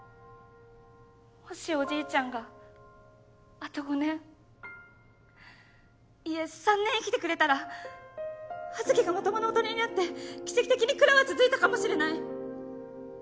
もしおじいちゃんがあと５年いえ３年生きてくれたら葉月がまともな大人になって奇跡的に蔵は続いたかもしれない。